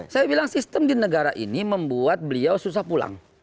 saya bilang sistem di negara ini membuat beliau susah pulang